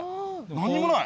何にもない！